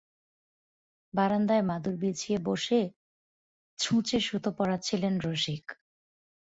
বারান্দায় মাদুর বিছিয়ে বসে ছুঁচে সুতো পরাচ্ছিলেন– রসিক।